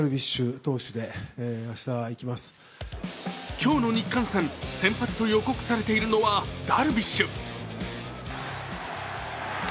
今日の日韓戦、先発と予告されているのはダルビッシュ。